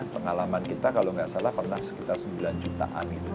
pengalaman kita kalau nggak salah pernah sekitar sembilan jutaan itu